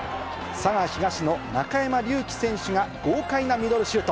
佐賀東の中山りゅうき選手が豪快なミドルシュート。